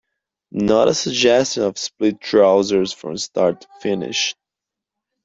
Not a suggestion of split trousers from start to finish.